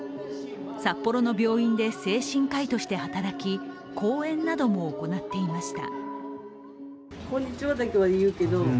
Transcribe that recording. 札幌の病院で精神科医として働き、講演なども行っていました。